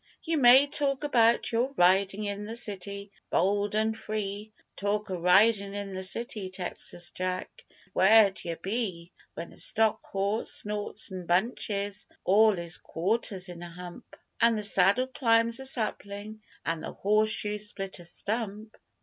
You may talk about your ridin' in the city, bold an' free, Talk o' ridin' in the city, Texas Jack, but where'd yer be When the stock horse snorts an' bunches all 'is quarters in a hump, And the saddle climbs a sapling, an' the horse shoes split a stump?